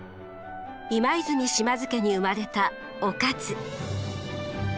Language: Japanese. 今和泉島津家に生まれた於一。